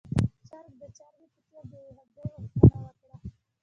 چرګ د چرګې په څېر د يوې هګۍ غوښتنه وکړه.